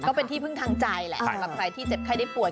ก็เป็นที่พึ่งทางใจแหละสำหรับใครที่เจ็บไข้ได้ป่วย